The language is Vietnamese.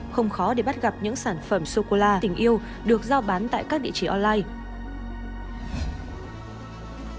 không khó để bắt gặp những sản phẩm sô cô la tình yêu được giao bán tại các địa chỉ online